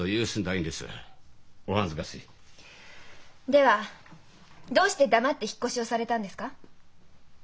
ではどうして黙って引っ越しをされたんですか？